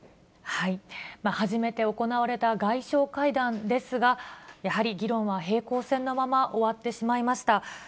初めて行われた外相会談ですが、やはり議論は平行線のまま終わってしまいました。